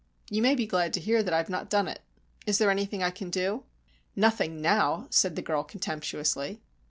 You may be glad to hear that I have not done it. Is there anything I can do?" "Nothing now," said the girl, contemptuously.